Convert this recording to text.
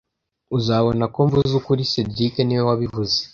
Uzabona ko mvuze ukuri cedric niwe wabivuze